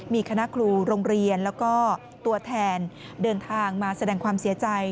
มีคณะครูโรงเรียนแล้วก็ตัวแทนเดินทางมาแสดงความเสียใจ